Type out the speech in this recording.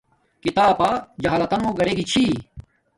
کتاب با جہالتو گاڈیگی چھی